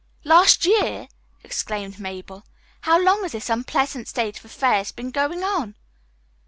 "Last year!" exclaimed Mabel. "How long has this unpleasant state of affairs been going on?"